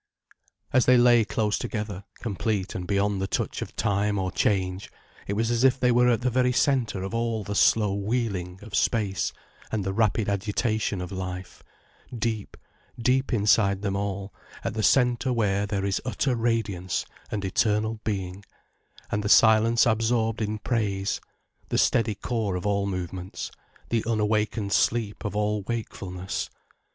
As they lay close together, complete and beyond the touch of time or change, it was as if they were at the very centre of all the slow wheeling of space and the rapid agitation of life, deep, deep inside them all, at the centre where there is utter radiance, and eternal being, and the silence absorbed in praise: the steady core of all movements, the unawakened sleep of all wakefulness.